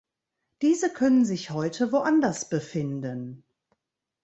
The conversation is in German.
Diese können sich heute woanders befinden.